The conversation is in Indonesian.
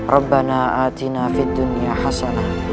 rabbana atina fid dunya hasanah